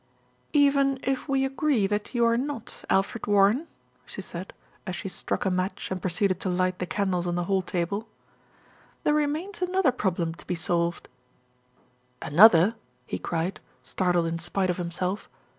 "Even if we agree that you are not Alfred Warren," she said as she struck a match and proceeded to light the candles on the hall table, "there remains another problem to be solved." MISS LIPSCOMBE DECIDES ON NEUTRALITY 137 "Another!" he cried, startled in spite of himself.